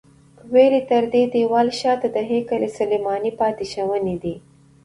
ویل یې تر دې دیوال شاته د هیکل سلیماني پاتې شوني دي.